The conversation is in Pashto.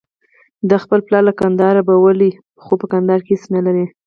دی خپل پلار له کندهار بولي، خو په کندهار کې هېڅ نلري.